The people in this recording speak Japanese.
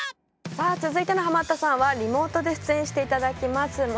さあ続いてのハマったさんはリモートで出演して頂きます。